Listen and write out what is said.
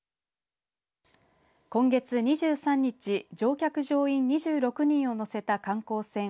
今月２３日乗客乗員２６人を乗せた観光船